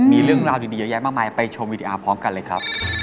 มีเรื่องราวดีเยอะแยะมากมายไปชมวิดีอาร์พร้อมกันเลยครับ